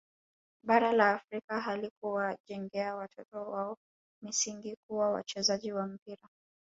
Bara la Afrika halikuwajengea watoto wao misingi kuwa wachezaji wa mpira